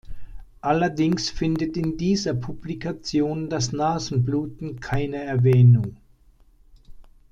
Allerdings findet in dieser Publikation das Nasenbluten keine Erwähnung.